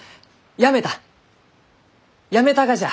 やめたがじゃ！